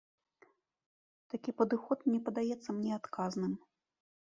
Такі падыход не падаецца мне адказным.